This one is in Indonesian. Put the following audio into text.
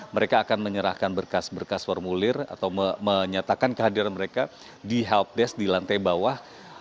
mereka akan menyerahkan berkas berkas formulir atau menyatakan kehadiran mereka di health desk di lantai bawah